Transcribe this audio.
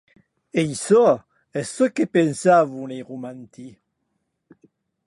Aquerò ei çò que pensauen es romantics.